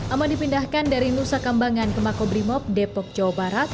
aman dipindahkan dari nusa kambangan ke makobrimob depok jawa barat